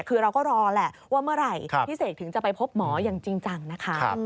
คือเราก็รอแหละว่าเมื่อไหร่พี่เสกถึงจะไปพบหมออย่างจริงจังนะคะ